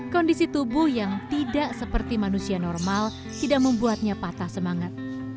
kondisi tubuh yang tidak seperti manusia normal tidak membuatnya patah semangat